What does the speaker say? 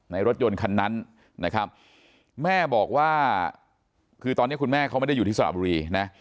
รถยนต์คันนั้นนะครับแม่บอกว่าคือตอนนี้คุณแม่เขาไม่ได้อยู่ที่สระบุรีนะ